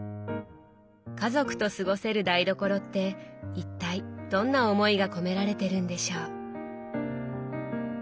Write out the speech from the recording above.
家族と過ごせる台所って一体どんな思いが込められてるんでしょう。